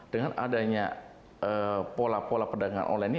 dengan adanya pola pola perdagangan online ini